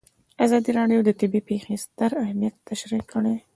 ازادي راډیو د طبیعي پېښې ستر اهميت تشریح کړی.